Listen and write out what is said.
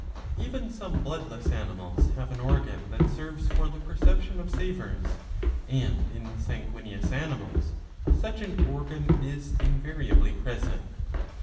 Even some bloodless animals have an organ that serves for the perception of savours ; and in sanguineous animals . such an organ is invariably present.